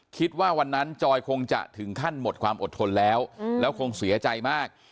คิดว่าวันนั้นจอยคงจะถึงขั้นหมดความอดทนแล้วแล้วคงเสียใจมาก